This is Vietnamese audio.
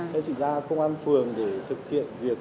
thế chị ra công an phường để thực hiện việc